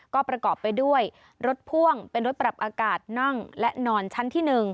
ก็ประกอบไปด้วยรถพ่วงเป็นรถปรับอากาศนั่งและนอนชั้นที่๑